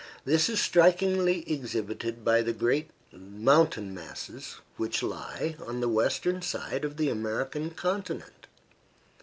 This is strikingly exhibited by the great mountain masses which lie on the western side of the American continent.